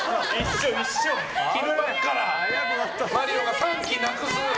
昼間からマリオを３機なくす。